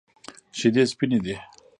شیدې سپینې دي.